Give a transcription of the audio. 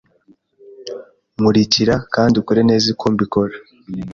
Nkurikira kandi ukore neza uko mbikora.